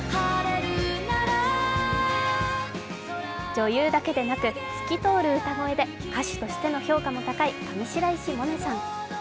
女優だけでなく、透き通る歌声で歌手としての評価も高い上白石萌音さん。